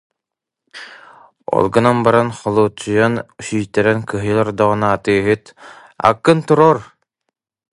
Ол гынан баран холуочуйан сүүйтэрэн кыһыйа олордоҕуна, атыыһыт: «Аккын туруор»